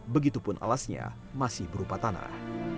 begitupun alasnya masih berupa tanah